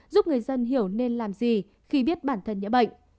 giúp người dân hiểu nên làm gì khi biết bản thân nhiễm bệnh